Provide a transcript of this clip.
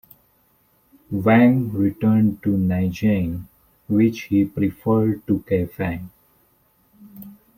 Wang returned to Nanjing, which he preferred to Kaifeng.